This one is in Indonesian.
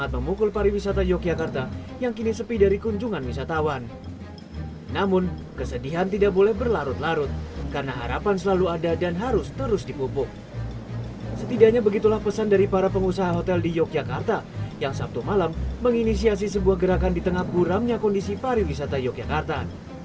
menginisiasi sebuah gerakan di tengah puramnya kondisi pariwisata yogyakarta